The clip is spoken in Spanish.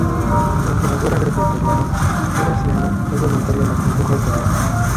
Durante la guerra greco-italiana, Edda Ciano fue voluntaria en la Cruz Roja Italiana.